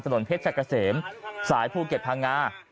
ส่วนเพชรสักเกษมสายภูเกียจพังงา